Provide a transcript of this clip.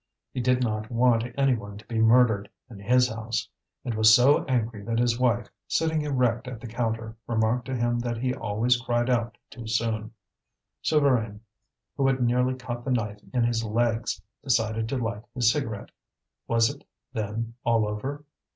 He did not want any one to be murdered in his house, and was so angry that his wife, sitting erect at the counter, remarked to him that he always cried out too soon. Souvarine, who had nearly caught the knife in his legs, decided to light his cigarette. Was it, then, all over?